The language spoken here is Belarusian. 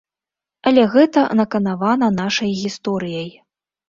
Але гэта наканавана нашай гісторыяй.